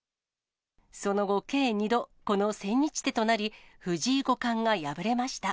その後、計２度、この千日手となり、藤井五冠が敗れました。